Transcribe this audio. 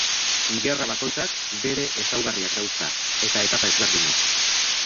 Gerra bakoitzak bere ezaugarriak dauzka, eta etapa ezberdinak.